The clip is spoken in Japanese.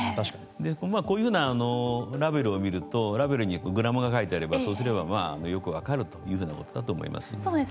こういうふうなラベルを見るとラベルにグラムが書いてあればそうすればよく分かるというふうなことだと思います。